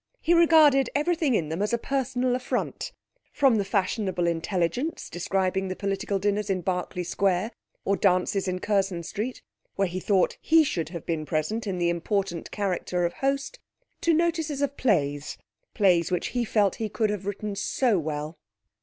He regarded everything in them as a personal affront; from the fashionable intelligence, describing political dinners in Berkeley Square or dances in Curzon Street, where he thought he should have been present in the important character of host, to notices of plays plays which he felt he could have written so well.